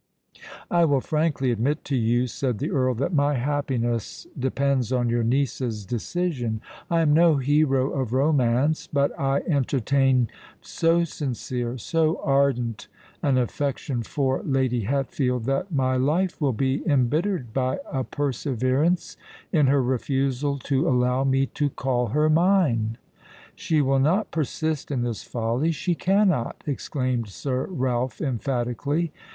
"I will frankly admit to you," said the Earl, "that my happiness depends on your niece's decision. I am no hero of romance—but I entertain so sincere, so ardent an affection for Lady Hatfield, that my life will be embittered by a perseverance in her refusal to allow me to call her mine." "She will not persist in this folly—she cannot," exclaimed Sir Ralph emphatically.